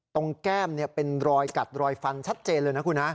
แก้มเป็นรอยกัดรอยฟันชัดเจนเลยนะคุณฮะ